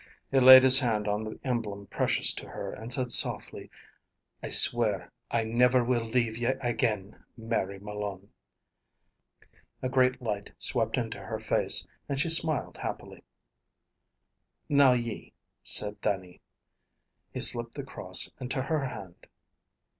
He laid his hand on the emblem precious to her, and said softly, "I swear I never will leave ye again, Mary Malone." A great light swept into her face, and she smiled happily. "Now ye," said Dannie. He slipped the cross into her hand.